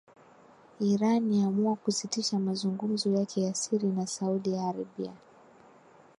Iran yaamua kusitisha mazungumzo yake ya siri na Saudi Arabia